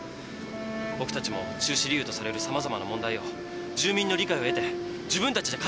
僕たちも中止理由とされるさまざまな問題を住民の理解を得て自分たちで解決していきたいんです。